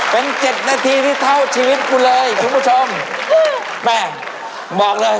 เป็นเจ็ดนาทีที่เท่าชีวิตคุณเลยคุณผู้ชมแม่บอกเลย